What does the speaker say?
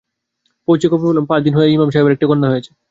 পৌঁছেই খবর পেলাম পাঁচ দিন হয় ইমাম সাহেবের একটি কন্যা হয়েছে।